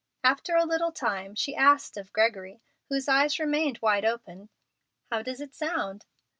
After a little time she asked of Gregory, whose eyes remained wide open, "How does it sound?"